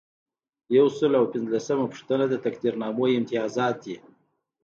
یو سل او پنځلسمه پوښتنه د تقدیرنامو امتیازات دي.